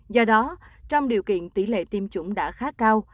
do đó trong điều kiện tỷ lệ tiêm chủng đã khá cao